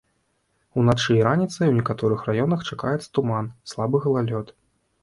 Уначы і раніцай у некаторых раёнах чакаецца туман, слабы галалёд.